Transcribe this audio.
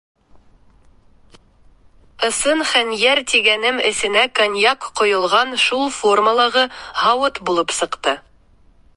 Ысын хәнйәр тигәнем эсенә коньяк ҡойолған шул формалағы һауыт булып сыҡты.